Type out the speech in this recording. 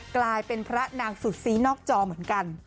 กลายเป็นพระนางสุดซี้นอกจอเหมือนกัน